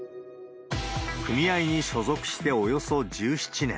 組合に所属しておよそ１７年。